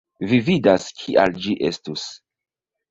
Vi vidas kial ĝi estus